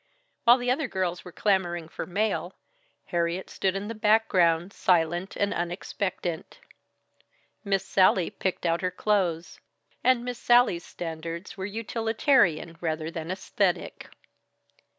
While the other girls were clamoring for mail, Harriet stood in the background silent and unexpectant. Miss Sallie picked out her clothes, and Miss Sallie's standards were utilitarian rather than æsthetic.